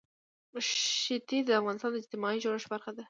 ښتې د افغانستان د اجتماعي جوړښت برخه ده.